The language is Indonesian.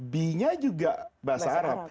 b nya juga bahasa arab